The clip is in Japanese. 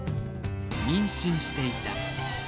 妊娠していた。